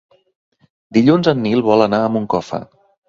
Dilluns en Nil vol anar a Moncofa.